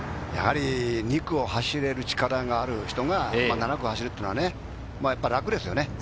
やはり２区を走れる力がある人が７区を走れるっていうのは楽ですよね。